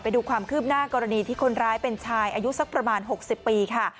ไปดูความคืบหน้ากรณีที่คนร้ายเป็นชายอายุสักประมาณ๖๐ปีค่ะ